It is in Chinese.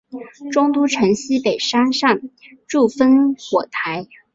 中都城西北山上筑烽火台。